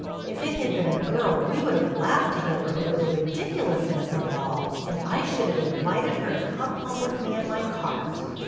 If it had been a girl, we would have laughed together over the ridiculousness of it all, and I should have invited her to come home with me in my cart.